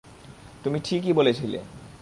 তুমি ঠিকই বলেছিলে।